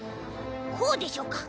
こうでしょうか？